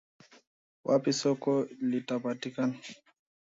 wapi soko litapatikana